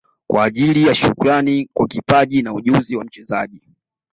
Kwa ajili ya Shukrani kwa kipaji na ujuzi wa mchezaji